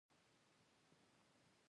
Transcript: ازادي راډیو د کلتور ته پام اړولی.